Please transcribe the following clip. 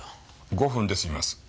５分で済みます。